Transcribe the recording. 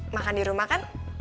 makan di rumah kan